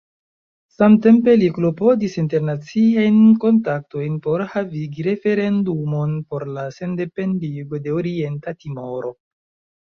Samtempe li klopodis internaciajn kontaktojn por havigi referendumon por la sendependigo de Orienta Timoro.